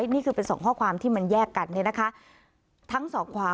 นี่เป็น๒ข้อความที่มันแยกกันเลยนะคะ